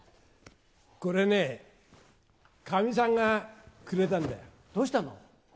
これね、かみさんがくれたんどうしたの？